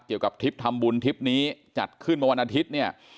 ทริปทำบุญทริปนี้จัดขึ้นมาวันอาทิตย์เนี่ย